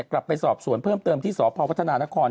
กลับไปสอบสวนเพิ่มเติมที่สพวัฒนานคร